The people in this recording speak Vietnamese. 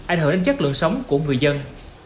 ảnh hưởng đến chất lượng sống của người dân